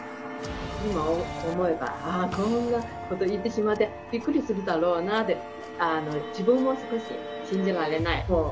今思えばあこんなこと言ってしまってびっくりするだろうなって自分も少し信じられない。